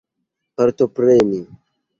partopreni